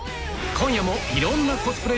今夜もいろんなコスプレ